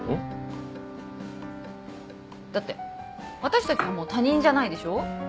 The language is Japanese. だって私たちはもう他人じゃないでしょ？